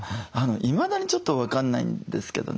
いまだにちょっと分かんないんですけどね